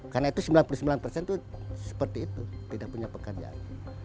karena itu sembilan puluh sembilan persen tuh seperti itu tidak punya pekerjaan